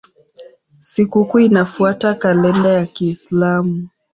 Sikukuu inafuata kalenda ya Kiislamu.